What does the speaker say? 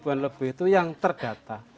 seribu an lebih itu yang terdata